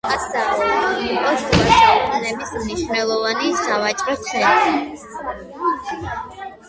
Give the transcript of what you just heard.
პასაუ იყო შუასაუკუნეების მნიშვნელოვანი სავაჭრო ცენტრი.